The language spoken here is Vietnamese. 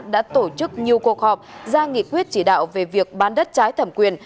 đã tổ chức nhiều cuộc họp ra nghị quyết chỉ đạo về việc bán đất trái thẩm quyền